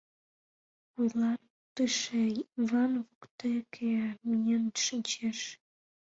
Вуйлатыше Йыван воктеке миен шинчеш.